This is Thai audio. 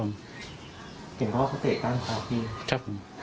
เห็นเขาเขาเสร็จข้ามขวาพี่ตีครับค่ะครับ